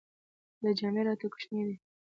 دا جامې راته کوچنۍ دي.